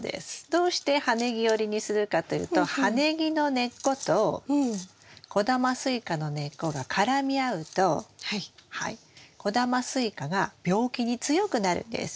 どうして葉ネギ寄りにするかというと葉ネギの根っこと小玉スイカの根っこが絡み合うと小玉スイカが病気に強くなるんです。